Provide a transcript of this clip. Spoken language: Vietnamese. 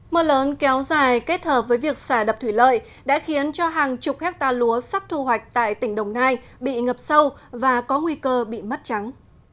mưa lớn kéo dài kết hợp với việc xả đập thủy lợi đã khiến cho hàng chục hectare lúa sắp thu hoạch tại tỉnh đồng nai bị ngập sâu và có nguy cơ bị mất trắng